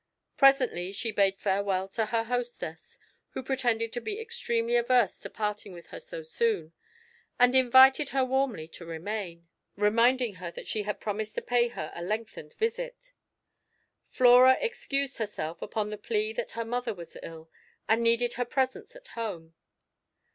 Presently she bade farewell to her hostess, who pretended to be extremely averse to parting with her so soon, and invited her warmly to remain; reminding her that she had promised to pay her a lengthened visit. Flora excused herself, upon the plea that her mother was ill, and needed her presence at home.